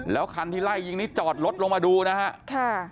แล้วคันที่ไล่ยิงนี่จอดรถลงมาดูนะฮะ